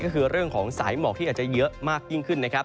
ก็คือเรื่องของสายหมอกที่อาจจะเยอะมากยิ่งขึ้นนะครับ